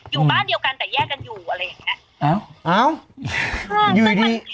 อยู่บ้านเดียวกันแต่แยกกันอยู่อะไรอย่างเงี้ยเอ้าเอ้าอยู่ดี